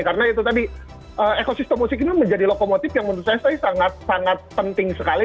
karena itu tadi ekosistem musik ini menjadi lokomotif yang menurut saya sangat sangat penting sekali